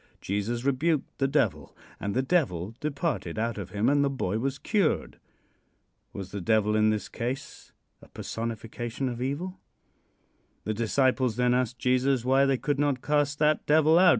Jesus rebuked the devil, and the devil departed out of him and the boy was cured. Was the devil in this case a personification of evil? The disciples then asked Jesus why they could not cast that devil out.